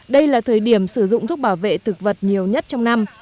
đây là thời điểm sử dụng thuốc bảo vệ thực vật nhiều nhất trong năm